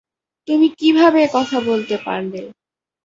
তুমি কীভাবে এ কথা বলতে পারলে?